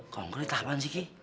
konkret apaan sih ki